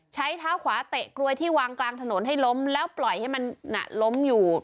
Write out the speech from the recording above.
ใช้เท้าขวาเตะกลวยที่วางกลางถนนให้ล้มแล้วปล่อยให้มันล้มอยู่